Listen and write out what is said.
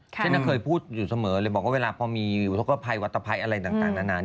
เช่นเคยพูดอยู่เสมอเลยบอกว่าเวลาพอมีอุทธกภัยวัตภัยอะไรต่างนานา